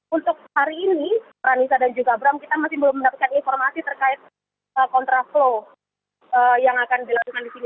untuk hari ini ranisa dan juga abram kita masih belum mendapatkan informasi terkait kontraflow yang akan dilakukan di sini